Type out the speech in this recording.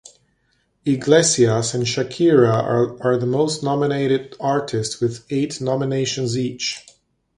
Iglesias and Shakira are the most nominated artists with eight nominations each.